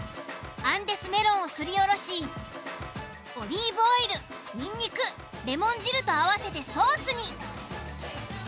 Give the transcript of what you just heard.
アンデスメロンをすりおろしオリーブオイルニンニクレモン汁と合わせてソースに。